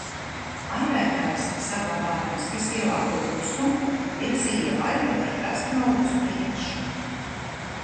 Airētājs, saglabādams vislielāko klusumu, virzīja laivu gar krastmalu uz priekšu.